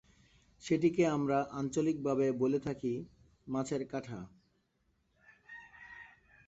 সেটিকে আমরা আঞ্চলিক ভাবে বলে থাকি মাছের কাঠা।